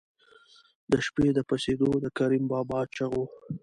د شپې د پسېدو د کریم بابا چغو.